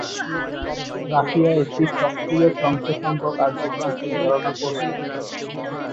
রাশিয়ায় একটি সক্রিয় তন্ত্র সংঘ কার্যক্রম পরিচালনা করছে।